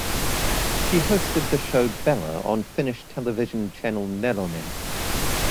She hosted the show "Bella" on Finnish television channel Nelonen.